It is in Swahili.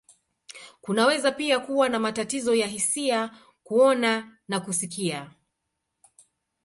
Kunaweza pia kuwa na matatizo ya hisia, kuona, na kusikia.